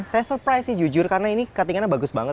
saya surprise sih jujur karena ini cuttingannya bagus banget